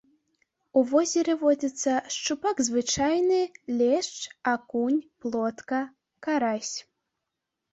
У возеры водзяцца шчупак звычайны, лешч, акунь, плотка, карась.